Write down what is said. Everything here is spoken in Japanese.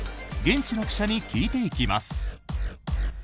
現地の記者に聞いていきます。